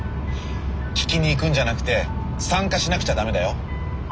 聴きに行くんじゃなくて参加しなくちゃ駄目だよ。